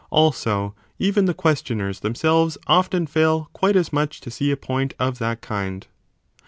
Also even the questioners themselves often fail quite as much to see a point of that kind.